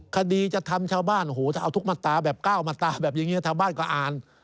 คดีจะทำชาวบ้านถ้าเอาทุกมตาแบบก้าวมตาแบบนี้ชาวบ้านก็อ่าน